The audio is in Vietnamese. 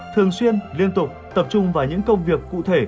thường xuyên liên tục tập trung vào những công việc cụ thể